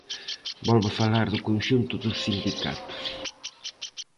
Volve falar do conxunto dos sindicatos.